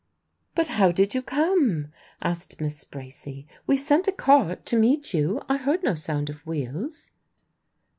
"But how did you come?" asked Miss Bracy. "We sent a cart to meet you I heard no sound of wheels."